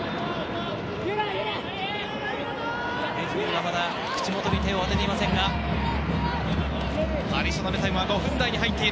レフェリーがまだ口元に手を当てていませんが、アディショナルタイムは５分台に入っている。